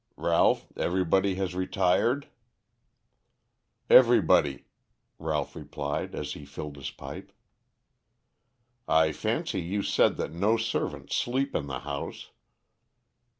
Ralph, everybody has retired?" "Everybody," Ralph replied as he filled his pipe. "I fancy you said that no servants sleep in the house."